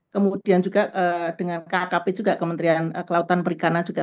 kemudian juga dengan kkp juga kementerian kelautan perikanan juga